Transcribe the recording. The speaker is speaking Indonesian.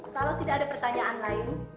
kalau tidak ada pertanyaan lain